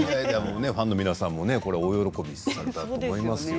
ファンの皆さんも大喜びされたと思いますよ。